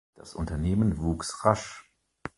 Das Unternehmen wuchs rasch.